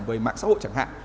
với mạng xã hội chẳng hạn